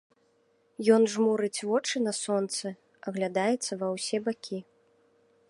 Ён жмурыць вочы на сонцы, аглядаецца ва ўсе бакі.